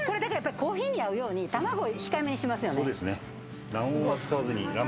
コーヒーに合うように卵控えめにしていますよね。